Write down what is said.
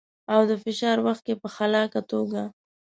او د فشار وخت کې په خلاقه توګه.